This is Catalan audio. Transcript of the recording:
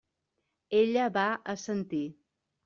Ella va assentir.